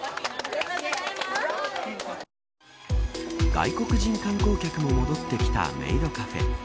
外国人観光客も戻ってきたメイドカフェ。